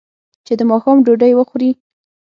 چې د ماښام ډوډۍ وخوري.